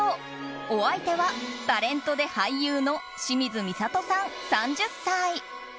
お相手はタレントで俳優の清水みさとさん、３０歳。